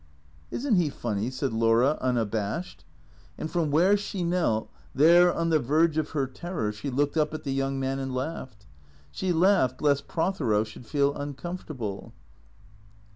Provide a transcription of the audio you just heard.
"Isn't he funny?" said Laura, unabashed. And from where she knelt, there on the verge of her terror, she looked up at the young man and laughed. She laughed lest Prothero should feel uncomfortable.